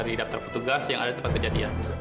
sita harus lihat